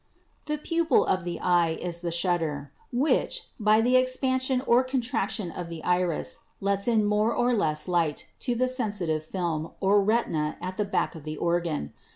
The 'pupil' of the eye is the shutter, which, by the ex 96 PHYSICS pansion or contraction of the iris, lets in more or less light to the sensitive film or 'retina' at the back of the organ.